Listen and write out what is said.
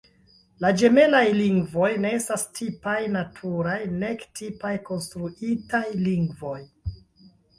La ĝemelaj lingvoj ne estas tipaj naturaj nek tipaj konstruitaj lingvoj.